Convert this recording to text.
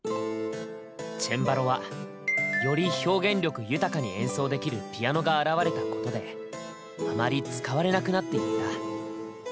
チェンバロはより表現力豊かに演奏できるピアノが現れたことであまり使われなくなっていった。